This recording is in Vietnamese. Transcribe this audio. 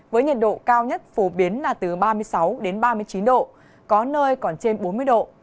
với nhiệt độ cao nhất phổ biến là từ ba mươi sáu đến ba mươi chín độ có nơi còn trên bốn mươi độ